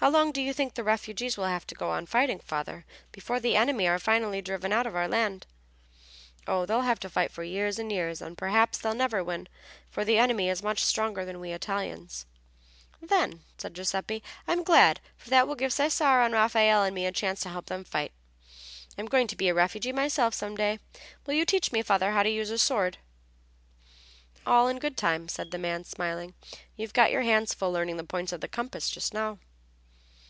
"How long do you think the refugees will have to go on fighting, father, before the enemy are finally driven out of our land?" "Oh, they'll have to fight for years and years, and perhaps they'll never win, for the enemy is much stronger than we Italians." "Then," said Giuseppe, "I'm glad, for that will give Cesare and Raffaelle and me a chance to help them fight. I'm going to be a refugee myself some day. Will you teach me, father, how to use a sword?" "All in good time," said the man, smiling. "You've got your hands full learning the points of the compass just now."